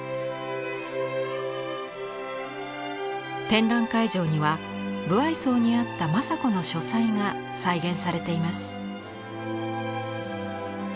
展覧会場には武相荘にあった正子の書斎が再現されています。